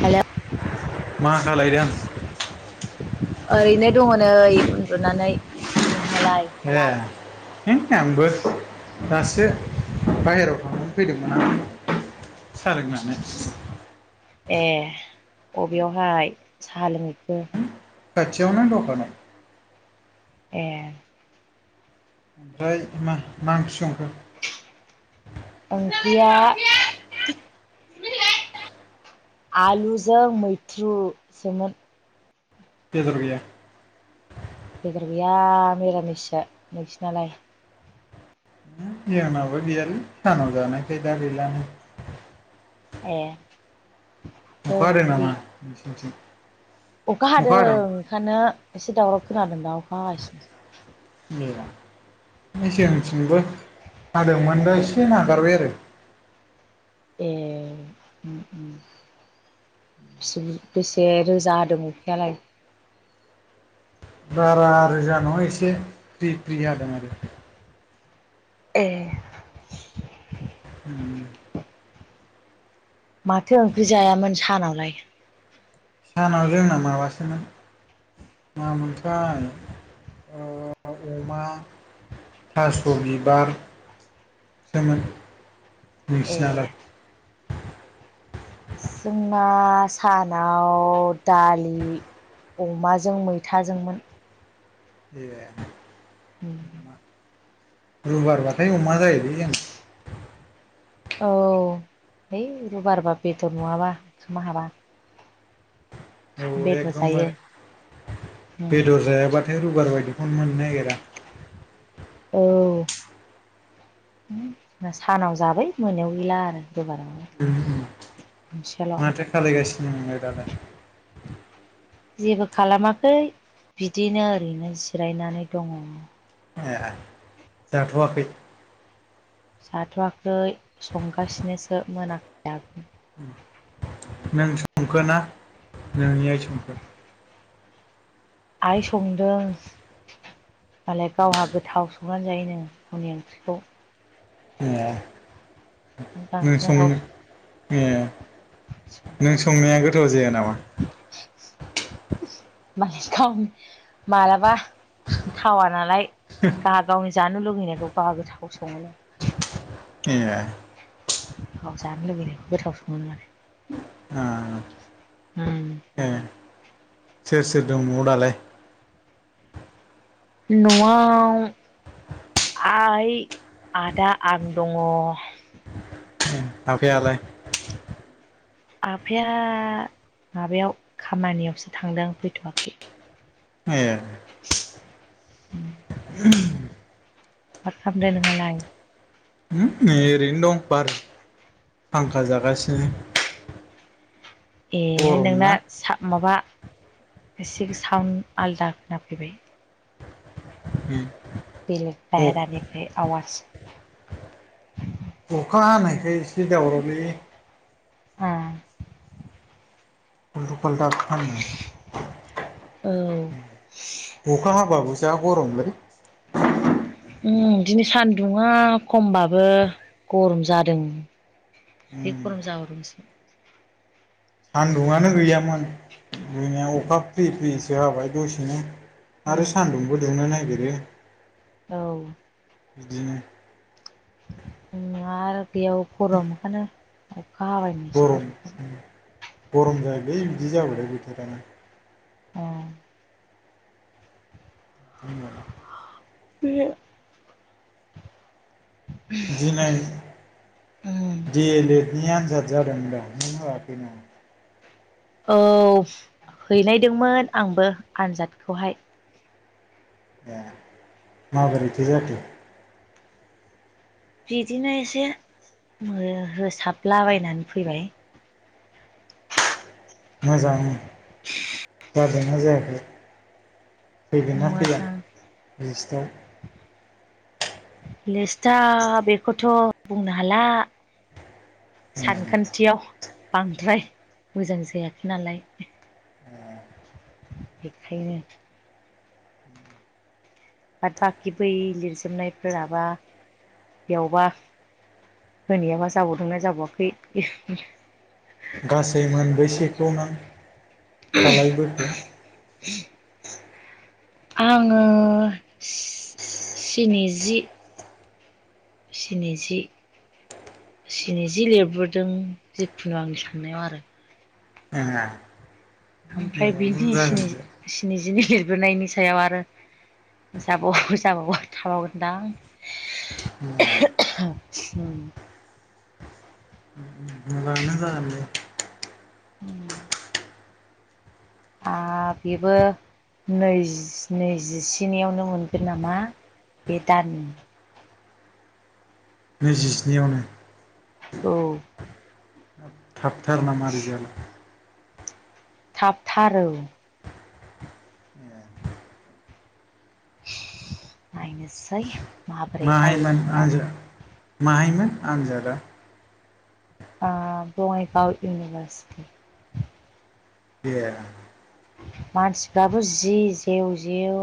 हेल' मा खालायदों? ओरैनो दङ नै उन्दुनानै नोंहालाय ए है आंबो दासो बायहेराव थांनानै फैदोंमोन आं। सा लोंनानै ए अबेयावहाय साहा लोंहैखो? खाथियावनो दखानाव। ए ओमफ्राय मा मा ओंख्रि संखो? ओंख्रिया आलुजों मैथ्रुसोमोन। बेदर‌ गैया? बेदर गैया मिरामिससो, नोंसिनालाय? जोंनाबो गैयालै सानाव जानायखाय दा गैलानो। ए माथो अखा हादों ओंख्रि नामा नोंसिनिथिं? अखा हादों ओंखानो एसे दावराव खोनादों दा अखा हागासि। ए नै जोंथिंबो हादोंमोनबो दा एसे नागारबाय आरो। ए उम उम बेसे बु बेसे रोजा होदों अखायालाय? बारा रोजा नङा एसे, फ्रि फ्रि जादों आरो। एह उम माथो ओंख्रि जायामोन सानावलाय? सानाव जोंना माबासोमोन मा मोनथाइ अमा थास' बिबारसोमोन नोंसिना ए लाय? जोंना सानाव दालि अमाजों मैथाजोंमोन। ए रबिबार बाथाय अमा जायो जोंथि औ है रुबार बा बेदर नङाबा ओंखामा हाबा औ बेदर जायो एकदमबारे बेदर जायाबाथाय रबिबार बायदिखौनो मोननो नागिरा औ ज सानाव जाबाय मोनायाव गैला आरो रबिबाराव- - माथो खालायगासिनो नोंलाय दालाय? जेबो खालामाखै बिदिनो ओरैनो जिरायनानै दङ। ए, जाथ'वाखै? जाथ'वाखै संगासिनोसो मोनाखै दाबो। नों संखो ना नोंनि आइ संखो? आइ संदों मालाय गावहा गोथाव संनानै जायो नो हरनि ओंख्रिखौ। ए नों लांखोना सं गावसोर ए नों संगासिनो संनाया गोथाव जाया नामा? माने गावनि मालाबा थावा नालाय गाहा गावनि जानो लुुगैनायखौ गावहा गोथाव सङोनो। ए औ जानो लुुबैनाय गोथाव सोमो आरो आ हम ए सोर सोर दं नआव दालाय न'आव आइ आदा आं दङ ए आफायालाय आफाया माबायाव खामानियावसो थांदों फैथ'वाखै ए उम माथ खालामदो नोंङालाय ओरैनो दं बार फांखा जागासिनो ए गरम नोंना ना माबा एसे साउन्ड आलदा खोनाफैबाय उम बेलेग बायहेरानिफ्राय आवाज अखा हानायखाय एसे दावरावलै ए [unintelligible] औ अखा हाबाबो जा गरमलै उम दिनै सान्दुंङा खमबाबो गरम जादों जि गरम जाबावदोंसो सान्दुंङानो गैयामोन जोंनिया अखा फ्रि फ्रिसो हाबाय दसेनो आरो उम सान्दुंबो दुंनो नागिरो औ बिदिनो आरो बेयाव गर'म मोनखानो अखा गरम हाबायनोसै गरम जायोलै बिदि जाबाथाय बोथोरा औ जोंनियाना। बे दिनै उम दि एलएड नि आन्जाद जादों होनदों आं नों होआखै नामा औ हैनायदोंमोन आंबो आनजादखौहाय ए माबोरैथो जाखो बिदिनो एसे हो-होसाबलाबायनानै फैबाय मोजां जादों ना जायाखै फैगोन ना फैया मोजां [unintelligible] लेस्टा बेखौथ' बुंनो हाला सानखान्थियाव बांद्राय मोजां जायाखै नालाय बेखायनो बट बाखि बै लिरजोबनायफोराबा बेयावबा होनायाबा जाबावदोंना जाबावाखै गासै मोनब्रैसेखौ नां दालायबोखो आङो स्निजि स्निजि सिनि जि लिरबोदों जिखुनु आंनि साननायाव आरो ह ओमफ्राय बिनि स्निजि स्निजिनि लिरबोनायनि सायाव आरो जाबावो जाबावो थाबावगोनदां [unintelligible] [unintelligible] मानो [unintelligible] [unintelligible] आं बेबो नैजि नैजिस्नियावनो मोनगोन नामा बे दान नैजिस्नियावनो औ थाबथार नामा रिजाला थाबथार औ ए नाइनोसै माहायमोन आनाद माहायमोन आनजादा ओ बङाइगाव इउनिभारसिटि ए मानसिफ्राबो जि जेव जेव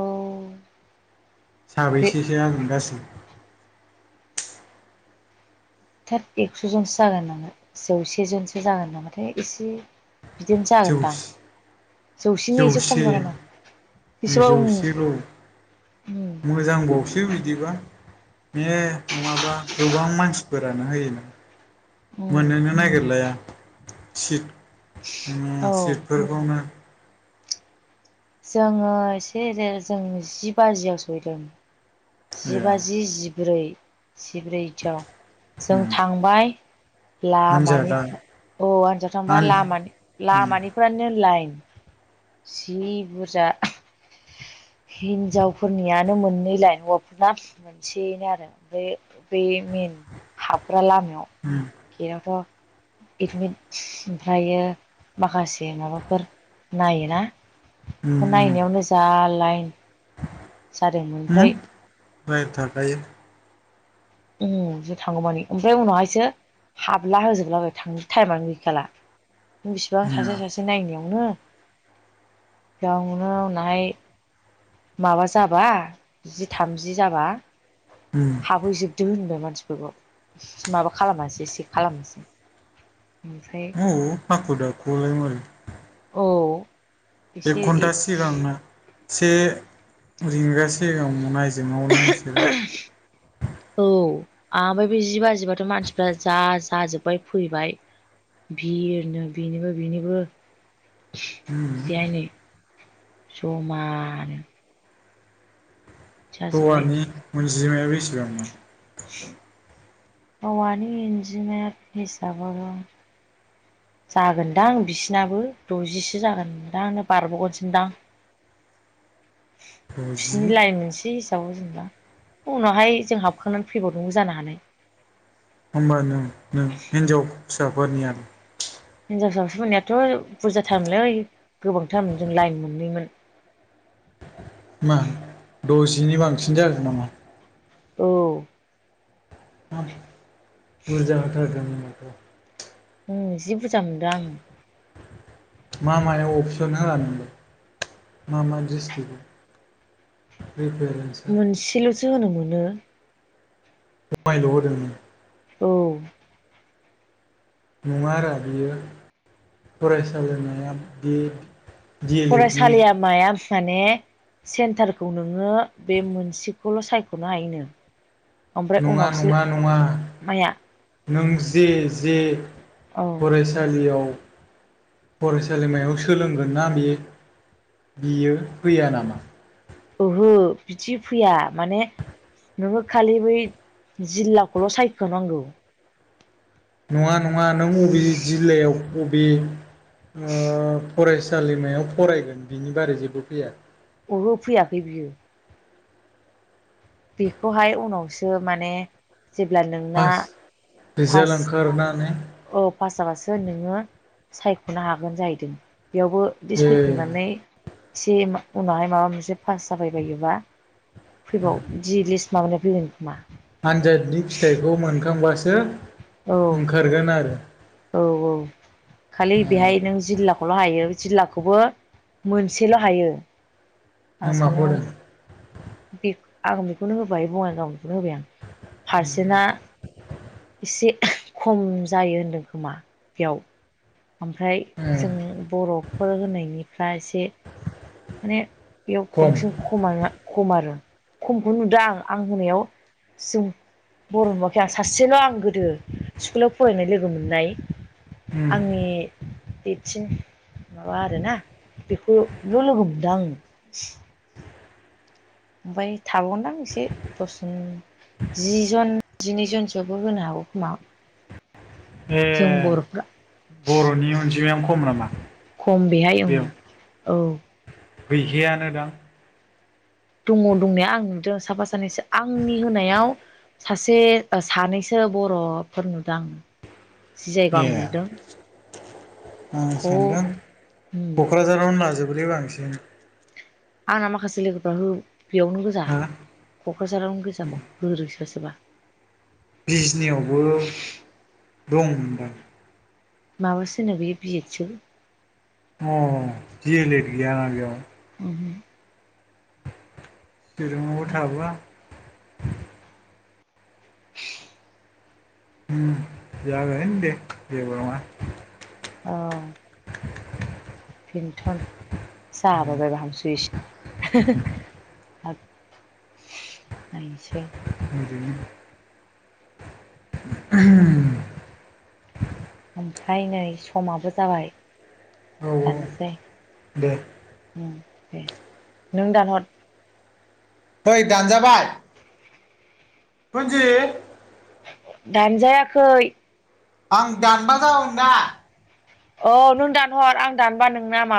बे साबैसेसो जागोन गासै थोद एकस'जनसो जागोन नामा जौसे जनसो जागोन नामाथाय एसे बिदिनो जौस जागोनदां जौसेनि एसे खम जौसे जागोना बेसेबां जौसेल' मोजांबावसो बिदिबा बे नङाबा गोबां मानसिफोरानो होयो ना उम मोनोनो नागिरलाया सिट ओम औ सिटफोरखौनो जोङो एसे जों जि बाजियाव सहैदों ए जिबाजि जिब्रै जिब्रैथियाव जों उम थांबाय आनजादा लामानिफ्राय औ आनजाव थांबा आन लामानि लामानि फोरानो लाइन जि बुरजा हिनजावफोरनियानो मोननै लाइन हौव दखना मोनसेनो आरो ओमफ्राय बे मेइन हाबग्रा लामायाव गेटआवथ' एडमिट ओमफ्रायो माखासे माबाफोर नायोना नायनायावनो जा लाइन जादोंमोन ओमफ्राय [unintelligible] उ ज थांगौ मानि ओमफ्राय उनावहायसो हाबला होजोबलाबाय थांनो टाइमानो गैखाला। बिसिबां जोंना सासे सासे नायगिरलांनो गावनो उनावहाय माबा जाबा जि थामजि जाबा उम हाबहैजोबदो होनबाय मानसिफोरखौ माबा खालामासै सेख खालामासै उमफ्राय ओ हाखु दाखुलाय मारै औ एक एसे घन्टा सिगांनो से रिंगा सिगां नायजावनो बिसोरो औ ओमफ्राय बे जि बाजिबाथ' मानसिफ्रा जा जाजोबबाय फैबाय बि होनो बेनिबो बेनिबो उम बेहाय नै जमानो जाजोब्बाय हौवानि अनजिमाया बेसेबांमोन औवानि इनजिमा हिसाबाबो जागोनदां बिसिनाबो द'जिसो जागोनदां आनो बारब'गोनसोदां [inaudible] द'जि बिसोरनि लाइन मोनसे औ जेनबा उनावहाय जों हाबखांनानै फैबावदोंबो जानो हानाय। होमबा नों नों हिनजाव फिसाफोरनिया हिनजावसा फोरनियाथ ' बुरजाथारमोनलै गोबांथारमोन जों लाइन मोननैमोन। मा द'जिनि बांसिन जागोन नामा? औ हा बुरजा होथारदों होनबाथ' ओं जि बुरजा मोनदों आं मा मायाव असन होया नोंलाय मा मा डिस्ट्रिकआव रिसटुरेन मोनसेल'सो होनो मोनो। एफ्लायल' होदों नों औ नङा आरो बियो फरायसालिमाया बे डि एल एड नि फरायसालिया माया माने सेन्टारखौ नोङो बे मोनसेखौल' सायख'नो हायोनो। ओमफ्राय नङा उनावसो नङा नङा माया नों जे जे औ फराय सालियाव फरायसालिमायाव सोलोंगोन ना बे बियो फैया नामा? ओहो बिदि फैया माने नोङो खालि बै जिल्लाखौल' सायख' नांगौ। नङा नङा नों बबे जिल्लायाव बबे ओ फरायसालिमायाव फरायगोन बिनि बारै जेबो फैया? ओहो फैयाखै बियो। बेखौहाय उनावसो माने जेब्ला नोंना पास पास रिजाल्ट ओंखारनानै औ पास जाबासो नोङो सायख'नो हागोन जाहैदों बेयावबो ए लिसफैखांनानै सिम उनावहाय माबा मोनसे पास जाबायबायोबा फैबाव जि लिस्ट माबानाय फैगोन खोमा? आनजादनि फिथाइखौ मोनखांबासो औ ओंखारगोन आरो औ औ खालि ए बेहाय नों जिल्लाखौल' हायो जिल्ला खौबो मोनसेल' हायो। नों माखौ होदों? बेख आं बेखौनो होबाय बङाइगावखौनो होबाय आं पारसेन्टआ एसे खम जायो होनदों खोमा बेयाव ओमफ्राय ए जों बर'फोर होनायनि फ्रा से माने बेयाव खम बांसिन खमानो खम आरो खमखौ नुदों आं आं होनायाव जों बर' नुवाखै आं सासेल' आं गोदो स्कुलाव फरायनाय लोगो मोननाय उम आंनि देसिन माबा आरोना बेखौल' लोगो हम दां ओमफाय थाबावगोनदां एसे दसन जि जन जिनैजनसोबो होनो हागौ खोमा। जों ए बर'फ्रा बर'नि अनजिमायानो खम नामा। खम बेहाय ओं बेयाव औ। गैखायानो दां। दङ दंनाया आं नुदों साफा सानैसो आंनि होनायाव सासे सानैसो बर'फोर नुदों जि ए जायगायाव आं मोनदों। आं ह' सानदों उम क'क्राझारावनो लाजोबोलै बांसिन आंना माखासे लोगोफ्रा बेयावनो गोजा हा क'क्राझारावनो गोजा बावनो होदों सोरबा सोरबा बिजनियावबो दंमोन दां? माबासो होनो बियो बि एदसो। अ डिलेट गैया बेयाव उमहो दोरुङावबो थाबोआ उम जागोन दे जेबो नङा अ फिन्थन जाबाय बायबा हामसै [unintelligible] हाग नायनिसै [unintelligible] [unintelligible] ओमफ्राय नै समाबो जाबाय औ दानोसै दे उम दे नों दा हर नै दानजाबाय मोनजि ओ दानजायाखै आं दानबा [unintelligible] जागोन दा औ नों दानहर आं दानबा नोंना मा